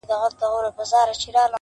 كوم شېرشاه توره ايستلې ځي سسرام ته-